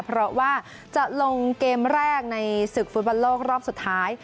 เพราะว่าจะลงเกมแรกในศึกฟุตบอลโลกรอบสุดท้าย